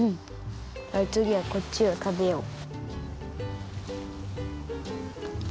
はいつぎはこっちをたべよう。